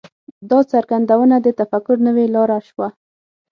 دا څرګندونه د تفکر نوې لاره شوه.